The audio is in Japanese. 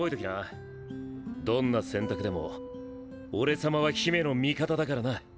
どんな選択でも俺様は姫の味方だからな。